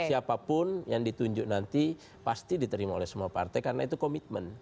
siapapun yang ditunjuk nanti pasti diterima oleh semua partai karena itu komitmen